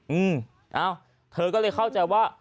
เอ้าเธอก็เลยเข้าใจว่า